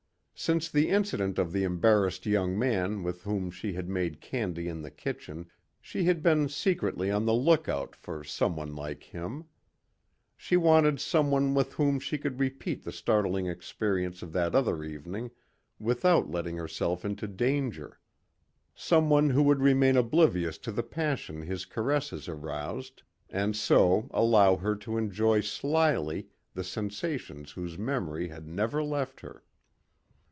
Since the incident of the embarrassed young man with whom she had made candy in the kitchen, she had been secretly on the lookout for someone like him. She wanted someone with whom she could repeat the startling experience of that other evening without letting herself into danger. Someone who would remain oblivious to the passion his caresses aroused and so allow her to enjoy slyly the sensations whose memory had never left her.